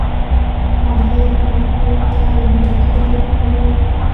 ښوونځي دې پښتو ته لومړیتوب ورکړي.